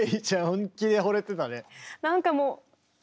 本気でほれてたね。